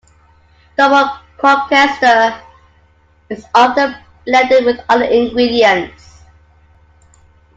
Double Gloucester is often blended with other ingredients.